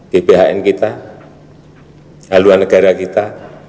gbhn kita haluan negara kita